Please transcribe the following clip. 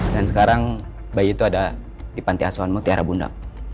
dan sekarang bayi itu ada di pantai asuhan mutiara bunda